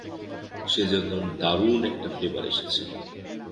সেজন্য দারুণ একটা ফ্লেভার এসেছে।